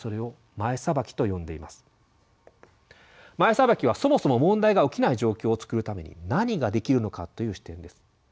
前さばきは「そもそも問題が起きない状況」を作るために何ができるのかという視点です。